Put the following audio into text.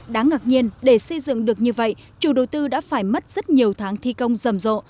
đáng ngạc nhiên để xây dựng được như vậy chủ đầu tư đã phải mất rất nhiều tháng thi công rầm rộ